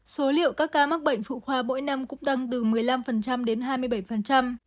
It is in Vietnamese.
số liệu các ca mắc bệnh phụ khoa mỗi năm cũng tăng từ một mươi năm đến hai mươi bảy